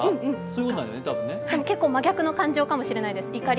でも結構、真逆の感情かもしれない。